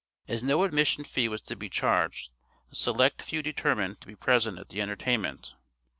As no admission fee was to be charged the select few determined to be present at the entertainment.